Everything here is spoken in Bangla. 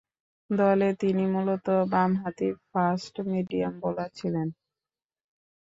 দলে তিনি মূলতঃ বামহাতি ফাস্ট-মিডিয়াম বোলার ছিলেন।